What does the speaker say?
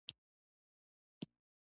هرنام سینګه د لیدلو لپاره راغی.